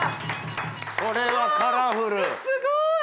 これはカラフルすごーい！